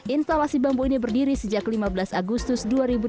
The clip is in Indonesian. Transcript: instalasi bambu ini berdiri sejak lima belas agustus dua ribu delapan belas